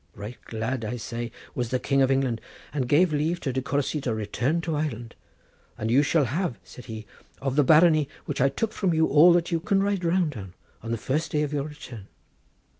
Right glad, I say, was the King of England, and gave leave to De Courcy to return to Ireland, 'And you shall have,' said he, 'of the barony which I took from you all that you can ride round on the first day of your return.